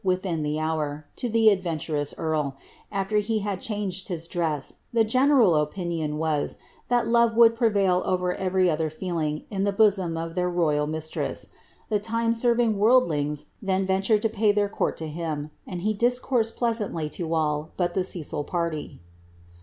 triihio d Jitiur, to the adventtirotw earl, after he had changed his dress, the ^ ral opinion was, thai love would prevail over every other feeling in ll bosom of iheir royal mistress. The time aerving worldlings then w lured to pay their conn to him, and he diicoursed pleasantly to nil h the Cecil party.